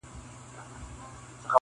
o ګڼي خوږو خوږو يارانو بۀ مې خپه وهله,